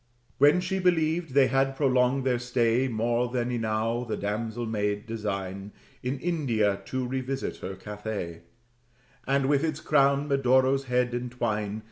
When she believed they had prolonged their stay More than enow, the damsel made design In India to revisit her Catay, And with its crown Medoro's head entwine.